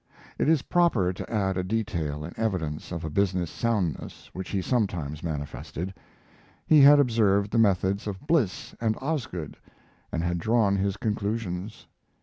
It is proper to add a detail in evidence of a business soundness which he sometimes manifested. He had observed the methods of Bliss and Osgood, and had drawn his conclusions.